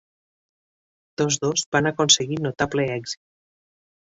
Tots dos van aconseguir notable èxit.